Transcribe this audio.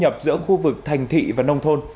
trong các khu vực thành thị và nông thôn